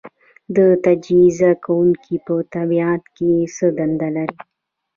تجزیه کوونکي په طبیعت کې څه دنده لري